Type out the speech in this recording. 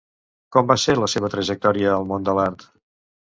Com va ser la seva trajectòria al món de l'art?